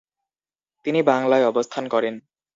তিনি বাংলায় অবস্থান করেন।